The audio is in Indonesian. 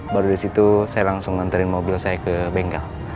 baru disitu saya langsung nganterin mobil saya ke bengkel